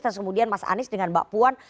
terus kemudian mas anies dengan mbak puan